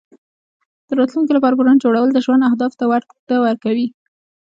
د راتلونکې لپاره پلان جوړول د ژوند اهدافو ته وده ورکوي.